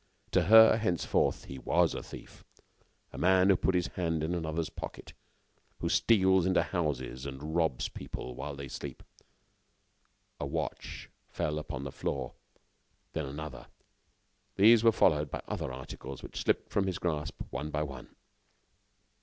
To her, henceforth, he was a thief, a man who puts his hand in another's pocket, who steals into houses and robs people while they sleep. A watch fell upon the floor; then another. These were followed by other articles which slipped from his grasp one by one.